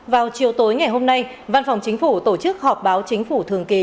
vào chiều tối ngày hôm nay văn phòng chính phủ tổ chức họp báo chính phủ thường kỳ